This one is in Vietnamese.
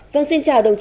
vâng xin chào đồng chí